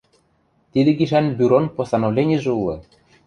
Тидӹ гишӓн бюрон постановленижӹ улы.